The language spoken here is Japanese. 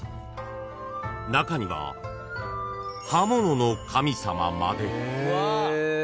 ［中には刃物の神様まで］